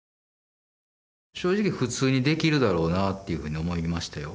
正直普通にできるだろうなっていうふうに思いましたよ。